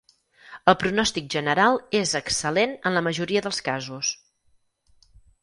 El pronòstic general és excel·lent en la majoria dels casos.